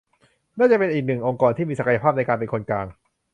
น่าจะเป็นอีกหนึ่งองค์กรที่มีศักยภาพในการเป็นคนกลาง